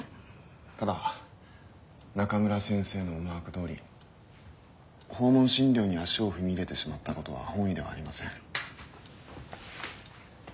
ただ中村先生の思惑どおり訪問診療に足を踏み入れてしまったことは本意ではありません。